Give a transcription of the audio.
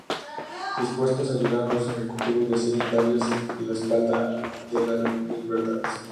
Dispuestos a ayudarlos, los ejecutivos deciden darles la "Espada de las Mil Verdades".